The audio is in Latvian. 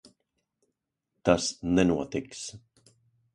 Tas nenotiks.